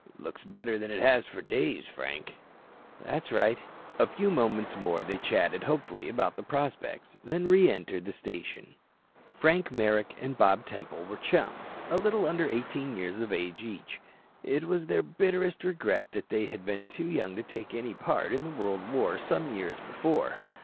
"Looks better than it has for days, Frank." "That's right." A few moments more they chatted hopefully about the prospects, then re entered the station. Frank Merrick and Bob Temple were chums, a little under 18 years of age each. It was their bitterest regret that they had been too young to take any part in the World War some years before.